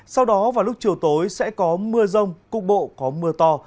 sau đó vào lúc chiều tối sẽ có mưa rông cục bộ có mưa to